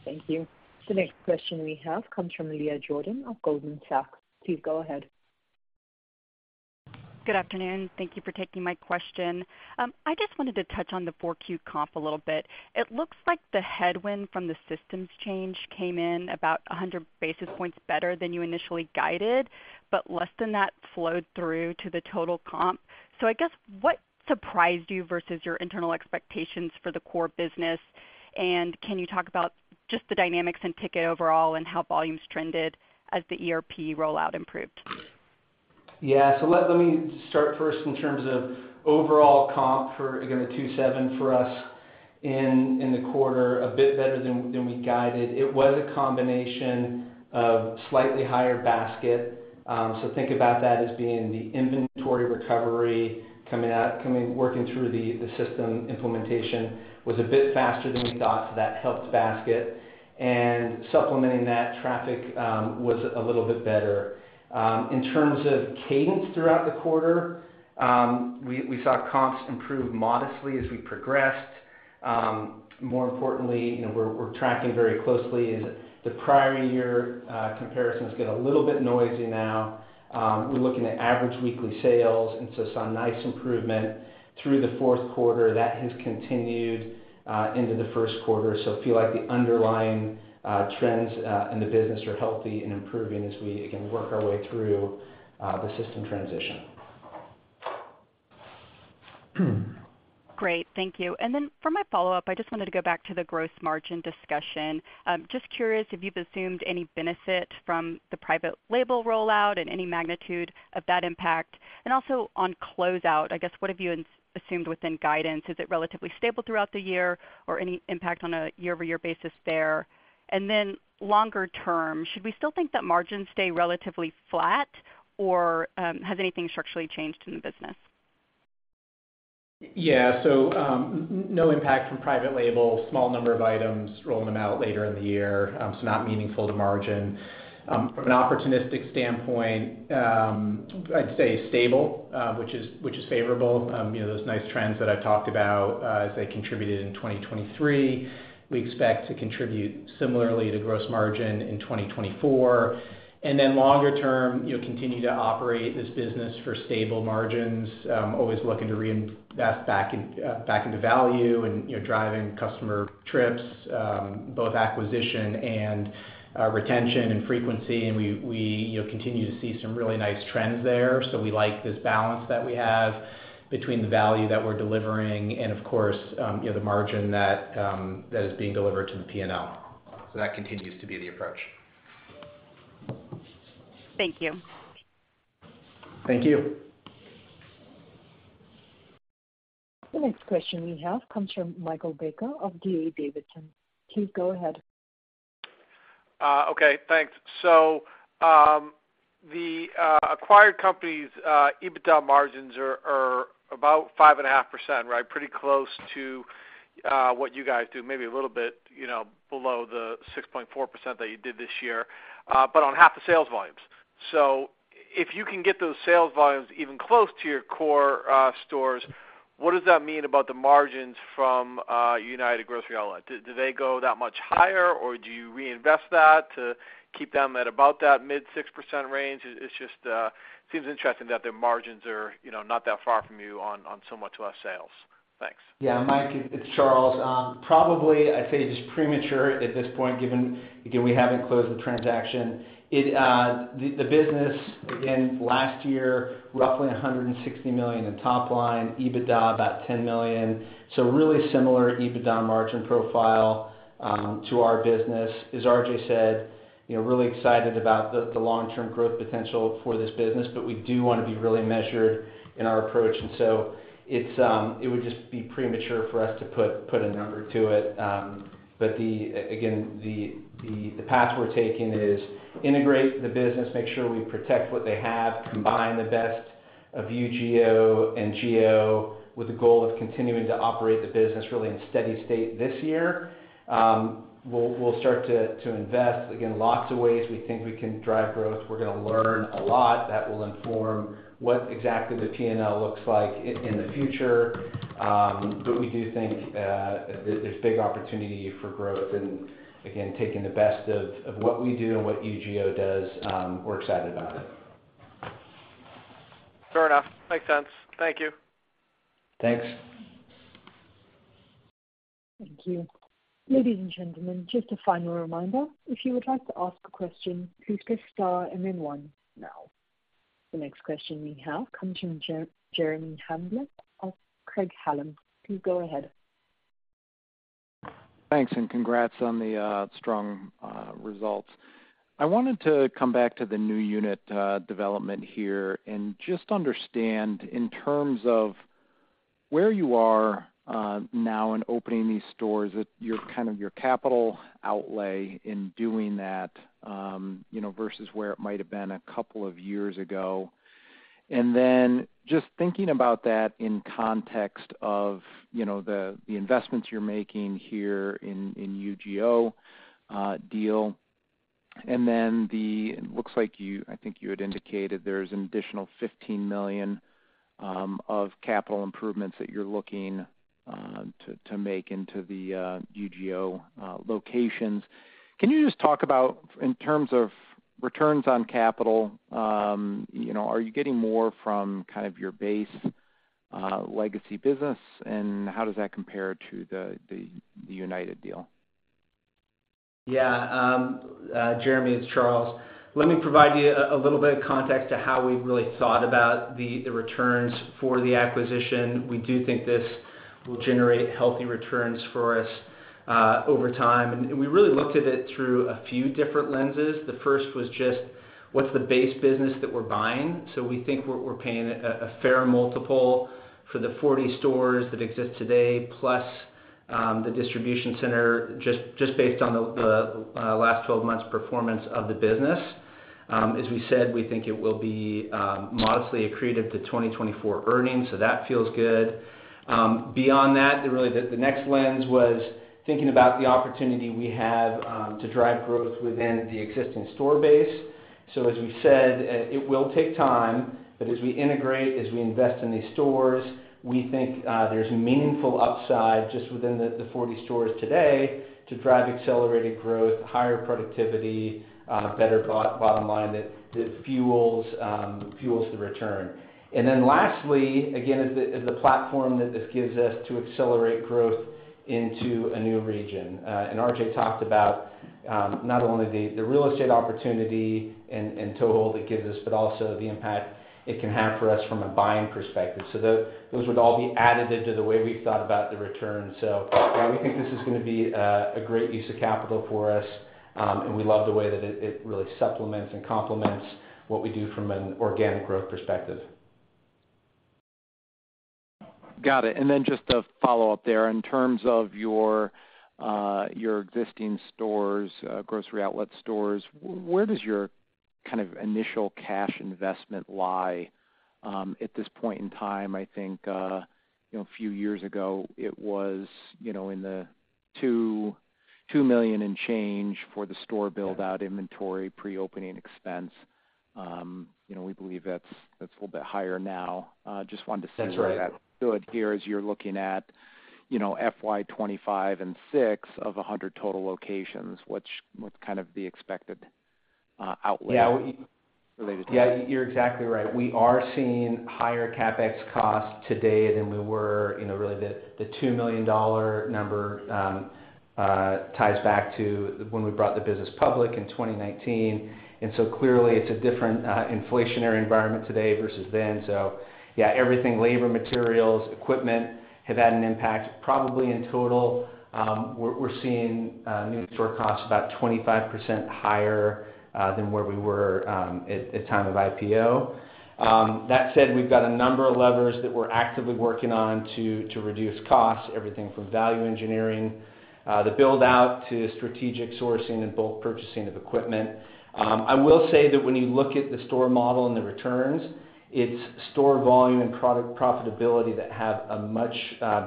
Thank you. The next question we have comes from Leah Jordan of Goldman Sachs. Please go ahead. Good afternoon. Thank you for taking my question. I just wanted to touch on the 4Q comp a little bit. It looks like the headwind from the systems change came in about 100 basis points better than you initially guided, but less than that flowed through to the total comp. So I guess what surprised you versus your internal expectations for the core business? And can you talk about just the dynamics and ticket overall and how volumes trended as the ERP rollout improved? Yeah. So let me start first in terms of overall comp for, again, a 27 for us in the quarter, a bit better than we guided. It was a combination of slightly higher basket. So think about that as being the inventory recovery coming working through the system implementation was a bit faster than we thought, so that helped basket. And supplementing that, traffic was a little bit better. In terms of cadence throughout the quarter, we saw comps improve modestly as we progressed. More importantly, we're tracking very closely as the prior year comparisons get a little bit noisy now. We're looking at average weekly sales, and so saw nice improvement through the fourth quarter. That has continued into the first quarter. So feel like the underlying trends in the business are healthy and improving as we, again, work our way through the system transition. Great. Thank you. And then for my follow-up, I just wanted to go back to the gross margin discussion. Just curious if you've assumed any benefit from the private label rollout and any magnitude of that impact. And also on closeout, I guess what have you assumed within guidance? Is it relatively stable throughout the year or any impact on a year-over-year basis there? And then longer term, should we still think that margins stay relatively flat, or has anything structurally changed in the business? Yeah. So no impact from private label, small number of items rolling them out later in the year, so not meaningful to margin. From an opportunistic standpoint, I'd say stable, which is favorable. Those nice trends that I've talked about as they contributed in 2023, we expect to contribute similarly to gross margin in 2024. And then longer term, continue to operate this business for stable margins, always looking to reinvest back into value and driving customer trips, both acquisition and retention and frequency. And we continue to see some really nice trends there. So we like this balance that we have between the value that we're delivering and, of course, the margin that is being delivered to the P&L. So that continues to be the approach. Thank you. Thank you. The next question we have comes from Michael Baker of D.A. Davidson. Please go ahead. Okay. Thanks. So the acquired company's EBITDA margins are about 5.5%, right? Pretty close to what you guys do, maybe a little bit below the 6.4% that you did this year, but on half the sales volumes. So if you can get those sales volumes even close to your core stores, what does that mean about the margins from United Grocery Outlet? Do they go that much higher, or do you reinvest that to keep them at about that mid-6% range? It seems interesting that their margins are not that far from you on so much less sales. Thanks. Yeah, Mike. It's Charles. Probably, I'd say just premature at this point given, again, we haven't closed the transaction. The business, again, last year, roughly $160 million in top line, EBITDA about $10 million. So really similar EBITDA margin profile to our business. As RJ said, really excited about the long-term growth potential for this business, but we do want to be really measured in our approach. And so it would just be premature for us to put a number to it. But again, the path we're taking is integrate the business, make sure we protect what they have, combine the best of UGO and GO with the goal of continuing to operate the business really in steady state this year. We'll start to invest. Again, lots of ways we think we can drive growth. We're going to learn a lot. That will inform what exactly the P&L looks like in the future. We do think there's big opportunity for growth. Again, taking the best of what we do and what UGO does, we're excited about it. Fair enough. Makes sense. Thank you. Thanks. Thank you. Ladies and gentlemen, just a final reminder. If you would like to ask a question, please press star and then one now. The next question we have comes from Jeremy Hamblin of Craig-Hallum. Please go ahead. Thanks and congrats on the strong results. I wanted to come back to the new unit development here and just understand in terms of where you are now in opening these stores, kind of your capital outlay in doing that versus where it might have been a couple of years ago. And then just thinking about that in context of the investments you're making here in UGO deal. And then it looks like I think you had indicated there's an additional $15 million of capital improvements that you're looking to make into the UGO locations. Can you just talk about in terms of returns on capital, are you getting more from kind of your base legacy business, and how does that compare to the United deal? Yeah. Jeremy, it's Charles. Let me provide you a little bit of context to how we've really thought about the returns for the acquisition. We do think this will generate healthy returns for us over time. And we really looked at it through a few different lenses. The first was just what's the base business that we're buying? So we think we're paying a fair multiple for the 40 stores that exist today plus the distribution center just based on the last 12 months' performance of the business. As we said, we think it will be modestly accretive to 2024 earnings, so that feels good. Beyond that, really, the next lens was thinking about the opportunity we have to drive growth within the existing store base. So as we said, it will take time. But as we integrate, as we invest in these stores, we think there's meaningful upside just within the 40 stores today to drive accelerated growth, higher productivity, better bottom line that fuels the return. And then lastly, again, is the platform that this gives us to accelerate growth into a new region. And RJ talked about not only the real estate opportunity and toehold it gives us, but also the impact it can have for us from a buying perspective. So those would all be additive to the way we've thought about the return. So we think this is going to be a great use of capital for us, and we love the way that it really supplements and complements what we do from an organic growth perspective. Got it. And then just a follow-up there. In terms of your existing Grocery Outlet stores, where does your kind of initial cash investment lie at this point in time? I think a few years ago, it was in the $2 million and change for the store buildout inventory pre-opening expense. We believe that's a little bit higher now. Just wanted to see what that stood here as you're looking at FY25 and 6 of 100 total locations. What's kind of the expected outlay related to that? Yeah. You're exactly right. We are seeing higher CapEx costs today than we were. Really, the $2 million number ties back to when we brought the business public in 2019. And so clearly, it's a different inflationary environment today versus then. So yeah, everything, labor, materials, equipment, have had an impact. Probably in total, we're seeing new store costs about 25% higher than where we were at time of IPO. That said, we've got a number of levers that we're actively working on to reduce costs, everything from value engineering the buildout to strategic sourcing and bulk purchasing of equipment. I will say that when you look at the store model and the returns, it's store volume and product profitability that have a much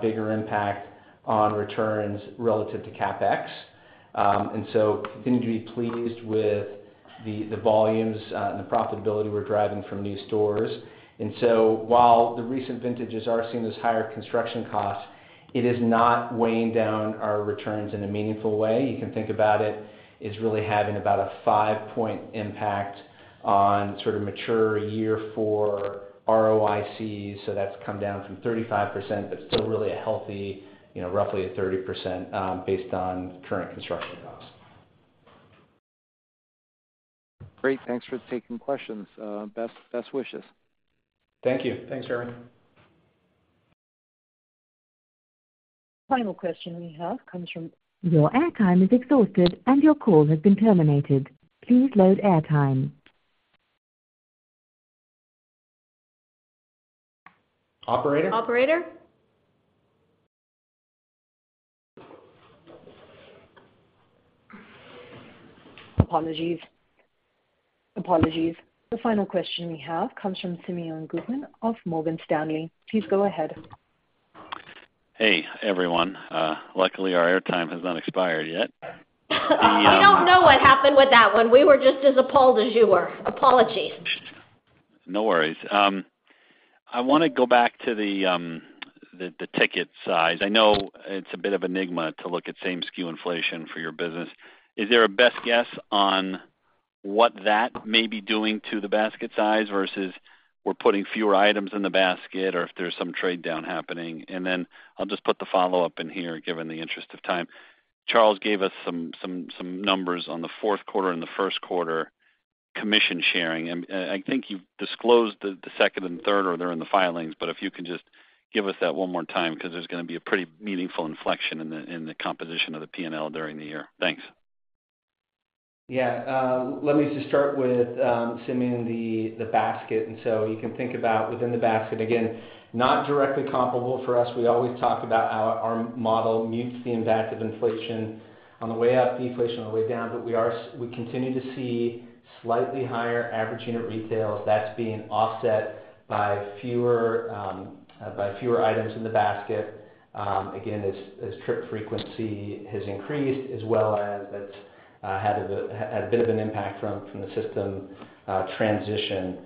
bigger impact on returns relative to CapEx. And so we continue to be pleased with the volumes and the profitability we're driving from new stores. So while the recent vintages are seeing those higher construction costs, it is not weighing down our returns in a meaningful way. You can think about it as really having about a 5-point impact on sort of mature year four ROICs. That's come down from 35%, but still really a healthy, roughly a 30% based on current construction costs. Great. Thanks for taking questions. Best wishes. Thank you. Thanks, Jeremy. Final question we have comes from. Your airtime is exhausted, and your call has been terminated. Please load airtime. Operator? Operator? Apologies. Apologies. The final question we have comes from Simeon Gutman of Morgan Stanley. Please go ahead. Hey, everyone. Luckily, our airtime has not expired yet. We don't know what happened with that one. We were just as appalled as you were. Apologies. No worries. I want to go back to the ticket size. I know it's a bit of an enigma to look at same-store inflation for your business. Is there a best guess on what that may be doing to the basket size versus we're putting fewer items in the basket or if there's some trade-down happening? And then I'll just put the follow-up in here given the interest of time. Charles gave us some numbers on the fourth quarter and the first quarter commission sharing. And I think you've disclosed the second and third, or they're in the filings. But if you can just give us that one more time because there's going to be a pretty meaningful inflection in the composition of the P&L during the year. Thanks. Yeah. Let me just start with spend in the basket. So you can think about within the basket, again, not directly comparable for us. We always talk about how our model mutes the impact of inflation on the way up, deflation on the way down. But we continue to see slightly higher average unit retails. That's being offset by fewer items in the basket. Again, as trip frequency has increased, as well as that's had a bit of an impact from the system transition.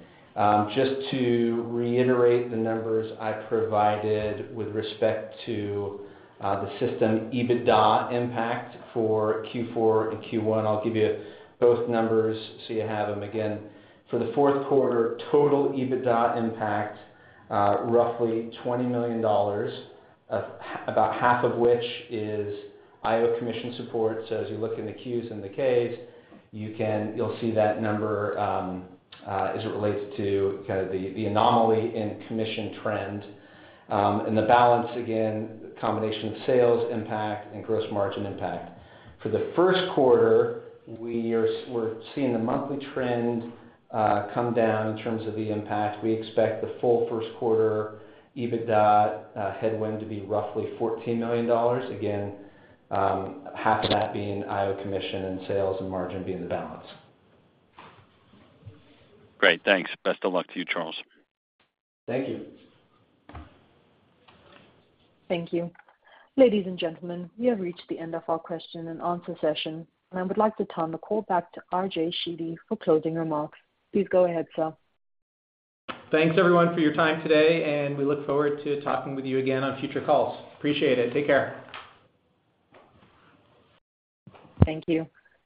Just to reiterate the numbers I provided with respect to the system EBITDA impact for Q4 and Q1, I'll give you both numbers so you have them. Again, for the fourth quarter, total EBITDA impact, roughly $20 million, about half of which is IO commission support. As you look in the 10-Qs and the 10-Ks, you'll see that number as it relates to kind of the anomaly in commission trend. The balance, again, combination of sales impact and gross margin impact. For the first quarter, we're seeing the monthly trend come down in terms of the impact. We expect the full first quarter EBITDA headwind to be roughly $14 million, again, half of that being IO commission and sales and margin being the balance. Great. Thanks. Best of luck to you, Charles. Thank you. Thank you. Ladies and gentlemen, we have reached the end of our question and answer session. I would like to turn the call back to RJ Sheedy for closing remarks. Please go ahead, sir. Thanks, everyone, for your time today. We look forward to talking with you again on future calls. Appreciate it. Take care. Thank you.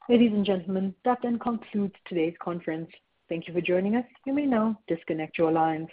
Ladies and gentlemen, that then concludes today's conference. Thank you for joining us. You may now disconnect your lines.